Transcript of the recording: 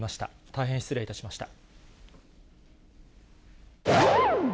大変失礼いたしました。